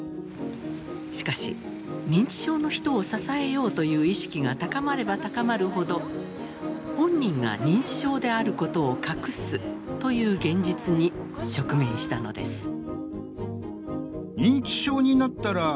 しかし認知症の人を支えようという意識が高まれば高まるほど本人が認知症であることを隠すという現実に直面したのです。